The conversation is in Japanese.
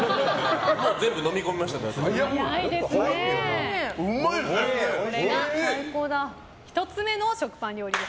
もう全部飲み込みましたので。